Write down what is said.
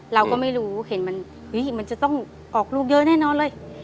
เราก็ไม่รู้เห็นมันจะต้องออกลูกเยอะแน่นอนเลย